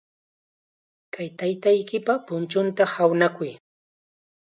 Kay taytaykipa punchunta hawnakuy.